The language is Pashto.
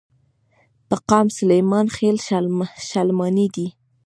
پۀ قام سليمان خيل، شلمانے دے ۔